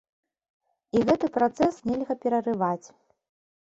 І гэты працэс нельга перарываць.